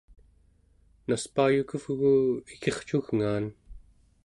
naspaayukuvgu ikircugngaan